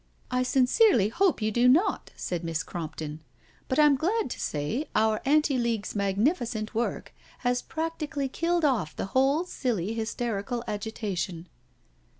" I sincerely hope you do not," said Miss Crompton. " But I'm glad to say our Anti League's magnificent work has practically killed off the whole silly hysterical agitation."